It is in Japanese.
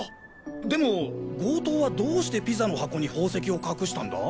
でも強盗はどうしてピザの箱に宝石を隠したんだ？